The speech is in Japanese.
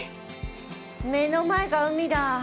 目の前が海だ。